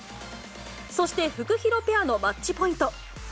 そしてフクヒロペアのマッチポイント。